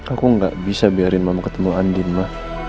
aku gak bisa biarin mama ketemu andin ma